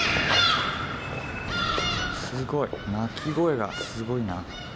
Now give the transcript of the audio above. すごい、鳴き声がすごいな。